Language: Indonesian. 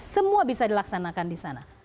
semua bisa dilaksanakan di sana